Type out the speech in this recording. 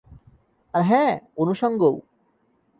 আর হ্যাঁ, অনুষঙ্গও।